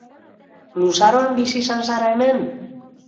Luzaroan bizi izan zara hemen?